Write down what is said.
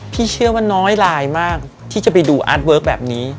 พี่เชื่อว่าน้อยลายมากที่จะไปดูอาร์ตเวิร์คแบบนี้